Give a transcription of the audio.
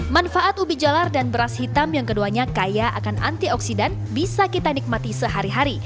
manfaat ubi jalar dan beras hitam yang keduanya kaya akan antioksidan bisa kita nikmati sehari hari